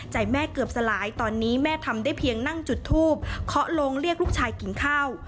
แม่เกือบสลายตอนนี้แม่ทำได้เพียงนั่งจุดทูบเคาะลงเรียกลูกชายกินข้าว